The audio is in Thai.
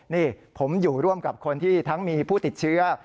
นี่ผมอยู่ร่วมกับคนที่ทั้งมีผู้ติดเชื้อ